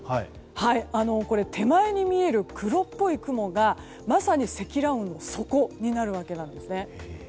手前に見える黒っぽい雲がまさに積乱雲の底になるわけなんですね。